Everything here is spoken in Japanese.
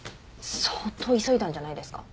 相当急いだんじゃないですか。